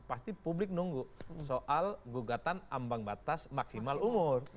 pasti publik nunggu soal gugatan ambang batas maksimal umur